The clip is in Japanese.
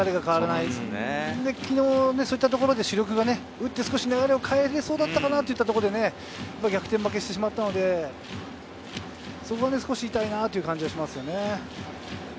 昨日そういったところで主力が打って流れを変えれそうだったかなというところで、逆転負けしてしまったので、そこが少し痛いなという感じがします。